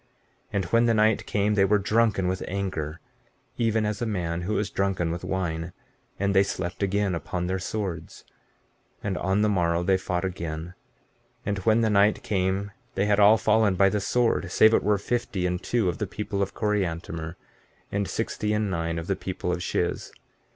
15:22 And when the night came they were drunken with anger, even as a man who is drunken with wine; and they slept again upon their swords. 15:23 And on the morrow they fought again; and when the night came they had all fallen by the sword save it were fifty and two of the people of Coriantumr, and sixty and nine of the people of Shiz.